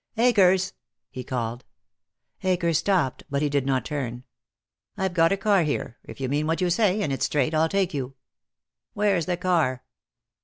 "Akers!" he called. Akers stopped, but he did not turn. "I've got a car here. If you mean what you say, and it's straight, I'll take you." "Where's the car?"